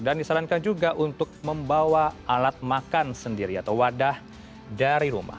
disarankan juga untuk membawa alat makan sendiri atau wadah dari rumah